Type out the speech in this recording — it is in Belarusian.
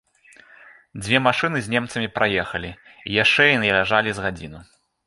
Дзве машыны з немцамі праехалі, і яшчэ яны ляжалі з гадзіну.